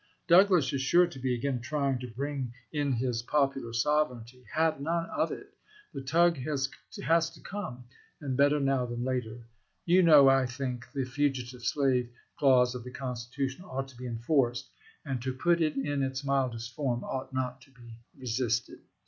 Douglas is sure to be again trying to bring in his " Popular Sovereignty." Have none of it. The tug has to come, and better now than later. You Lincoln to know I think the fugitive slave clause of the Constitution Keiiogg. ought to be enforced — to put it in its mildest form, MS. ought not to be resisted.